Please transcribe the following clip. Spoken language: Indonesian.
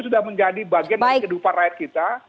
sudah menjadi bagian dari kehidupan rakyat kita